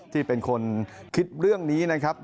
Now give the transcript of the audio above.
ที่เป็นคนคิดเรื่องนี้นะครับ